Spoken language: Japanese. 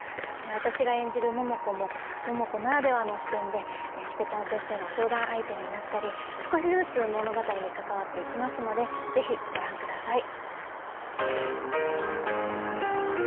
私が演じる桃子も桃子ならではの視点でしこちゃん先生の相談相手になったり少しずつ物語に関わっていきますのでぜひご覧ください。